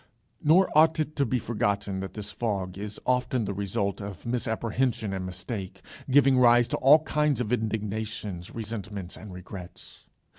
Nor ought it to be forgotten that this fog is often the result of misapprehension and mistake, giving rise to all kinds of indignations, resentments, and regrets.